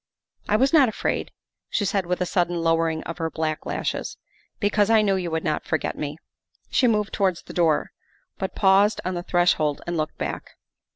'' I was not afraid, '' she said with a sudden lowering of her black lashes, " because I knew you would not forget me." She moved towards the door, but paused on the threshold and looked back.